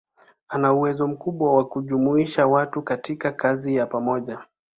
Ana uwezo mkubwa wa kujumuisha watu katika kazi ya pamoja.